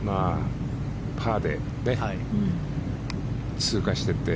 パーで通過してって。